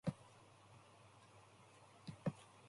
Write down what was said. It used to be called advertising